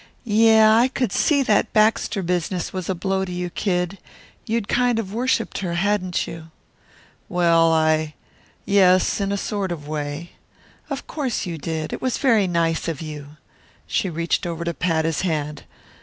"Yeah, I could see that Baxter business was a blow to you, Kid. You'd kind of worshiped her, hadn't you?" "Well, I yes, in a sort of way " "Of course you did; it was very nice of you " She reached over to pat his hand.